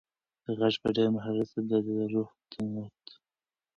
غږ په ډېر مهارت سره د ده روح ته ننووت.